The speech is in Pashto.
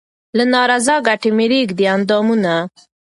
له نا رضا کټه مې رېږدي اندامونه